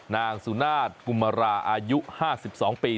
นางสุณาติกุมราอายุห้าสิบสองปี